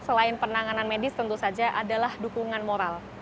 selain penanganan medis tentu saja adalah dukungan moral